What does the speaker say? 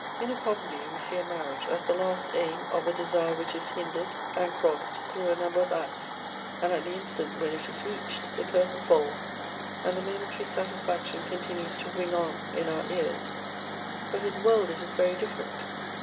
In a comedy we see a marriage as the last aim of a de sire which is hindered and crossed through a number of acts, and at the instant when it is reached the curtain tails, and the momentary satisfaction continues to ring on in our ears. But in the world it is very different.